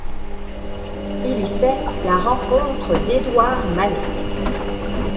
Il y fait la rencontre d'Édouard Manet.